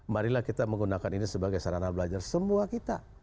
marilah kita menggunakan ini sebagai sarana belajar semua kita